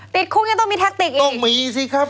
ติดคุกยังต้องมีแท็กติกเลยต้องมีสิครับ